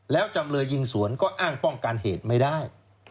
แล้วจำเลยยิงสวนก็อ้างป้องกันเหตุไม่ได้